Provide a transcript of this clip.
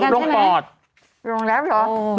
ลงแล้วเหรอ